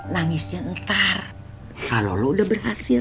nangisnya ntar kalau lo udah berhasil